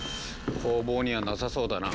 工房にはなさそうだな。